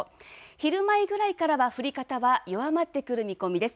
昼前ぐらいからは降り方は弱まってくる見込みです。